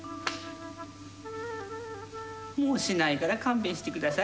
もうしないから勘弁してください。